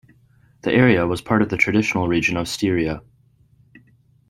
The area was part of the traditional region of Styria.